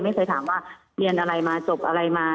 ไม่เคยถามว่าเรียนอะไรมาจบอะไรมา